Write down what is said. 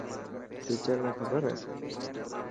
ٽيچر نا خبر هي.